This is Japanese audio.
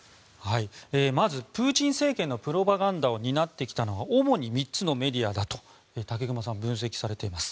まず、プーチン政権のプロパガンダを担ってきたのは主に３つのメディアだと武隈さんは分析されています。